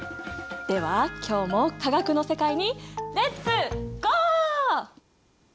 では今日も化学の世界にレッツゴー！